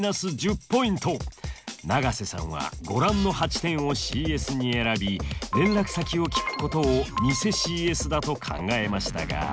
永瀬さんはご覧の８点をＣＳに選び連絡先を聞くことを偽ＣＳだと考えましたが。